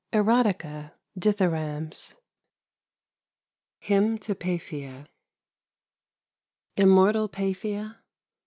EROTIKA DITHYRAMBS HYMN TO PAPHIA Immortal Paphia!